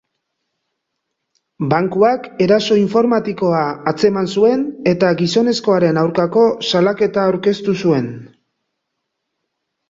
Bankuak eraso informatikoa atzeman zuen eta gizonezkoaren aurkako salaketa aurkeztu zuen.